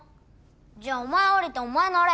じゃあお前降りてお前のれ。